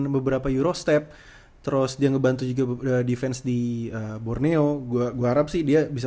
beberapa euro step terus dia ngebantu juga defense di borneo gue harap sih dia bisa